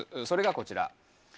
それがこちら。